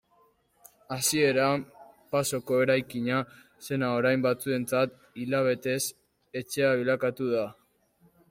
Hasieran pasoko eraikina zena orain batzuentzat hilabetez etxea bilakatu da.